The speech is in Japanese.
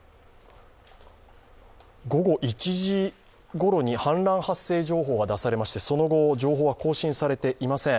午後１時ごろに氾濫発生情報が出されまして、その後、情報は更新されていません。